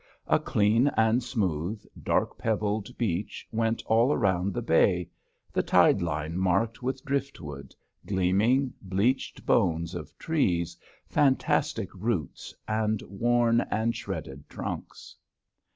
A clean and smooth, dark pebbled beach went all around the bay, the tide line marked with driftwood, gleaming, bleached bones of trees, fantastic roots and worn and shredded trunks.